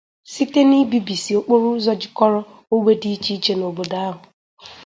site n'ibibìsì okporo ụzọ jikọrọ ogbe dị iche iche n'obodo ahụ.